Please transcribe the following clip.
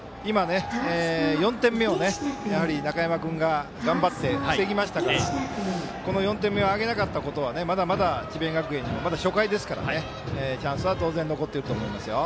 ４点目を中山君が頑張って防ぎましたからこの４点目をあげなかったことはまだまだ智弁学園にもチャンスは当然残っていると思います。